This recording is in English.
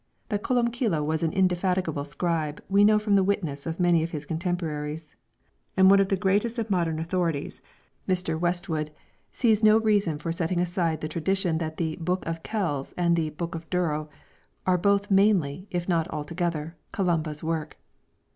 That Columbcille was an indefatigable scribe we know from the witness of many of his contemporaries, and one of the greatest of modern authorities (Mr. Westwood) sees no reason for setting aside the tradition that the "Book of Kells" and the "Book of Durrow" are both mainly, if not altogether, Columba's work.